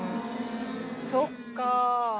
そっか。